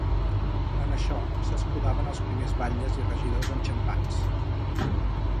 En això s’escudaven els primers batlles i regidors enxampats.